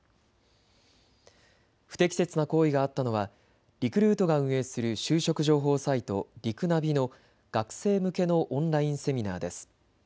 不適切な行為があったのはリクルートが運営する就職情報サイト、リクナビの学生向けのオンラインセミナーです。